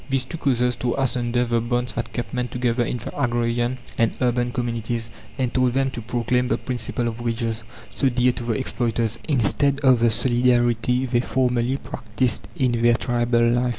These two causes tore asunder the bonds that kept men together in the agrarian and urban communities, and taught them to proclaim the principle of wages, so dear to the exploiters, instead of the solidarity they formerly practiced in their tribal life.